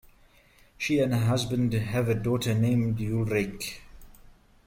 She and her husband have a daughter named Ulrike.